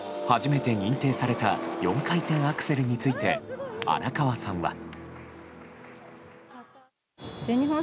初めて認定された４回転アクセルについて荒川さんは。